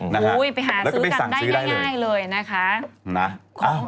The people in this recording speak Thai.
โอ้โหไปหาซื้อกันได้ง่ายเลยนะคะ